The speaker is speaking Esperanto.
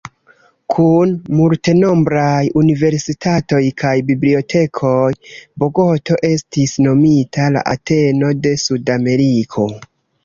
Kun multenombraj universitatoj kaj bibliotekoj, Bogoto estis nomita "La Ateno de Sudameriko".